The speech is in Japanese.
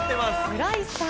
村井さん。